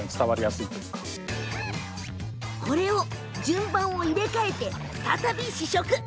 順番を入れ替えて、再び試食。